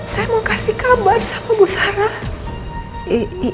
saya mau kasih kabar aku bu sarah